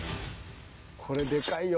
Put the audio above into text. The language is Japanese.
これでかいよ。